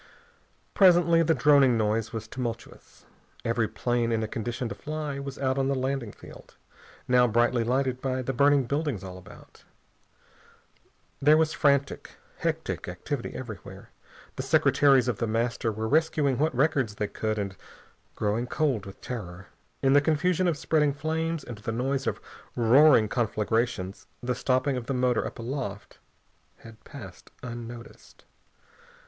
Presently the droning noise was tumultuous. Every plane in a condition to fly was out on the landing field, now brightly lighted by the burning buildings all about. There was frantic, hectic activity everywhere. The secretaries of The Master were rescuing what records they could, and growing cold with terror. In the confusion of spreading flames and the noise of roaring conflagrations the stopping of the motor up aloft had passed unnoticed.